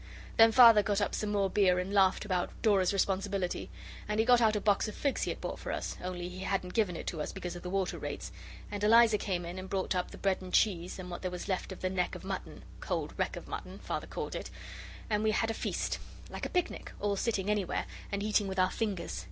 Then Father got up some more beer, and laughed about Dora's responsibility, and he got out a box of figs he had bought for us, only he hadn't given it to us because of the Water Rates, and Eliza came in and brought up the bread and cheese, and what there was left of the neck of mutton cold wreck of mutton, Father called it and we had a feast like a picnic all sitting anywhere, and eating with our fingers.